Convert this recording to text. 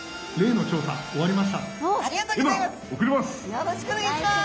よろしくお願いします！